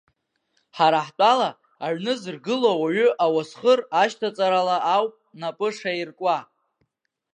Ҳара ҳтәала, аҩны зыргыло ауаҩы ауасхыр ашьҭаҵарала ауп напы шаиркуа.